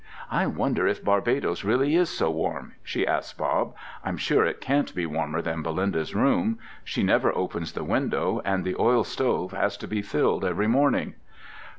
"I wonder if Barbados really is so warm?" she asked Bob. "I'm sure it can't be warmer than Belinda's room. She never opens the windows, and the oil stove has to be filled every morning."